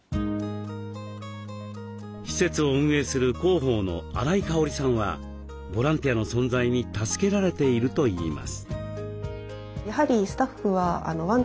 施設を運営する広報の新井かおりさんはボランティアの存在に助けられているといいます。